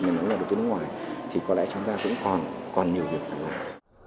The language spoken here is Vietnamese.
nếu nó là đầu tư nước ngoài thì có lẽ chúng ta vẫn còn nhiều việc phải làm